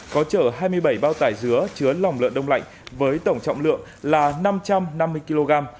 có chở hai mươi bảy bao tải dứa chứa lòng lợn đông lạnh với tổng trọng lượng là năm trăm năm mươi kg